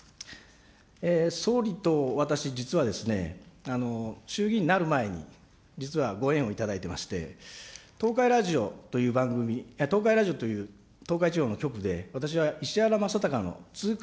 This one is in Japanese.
総理と私、実はですね、しゅうぎいんになる前に、実はご縁をいただいていまして、東海ラジオという番組、東海ラジオという東海地方の局で私は石原まさたかの痛快！